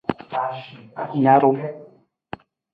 Narung.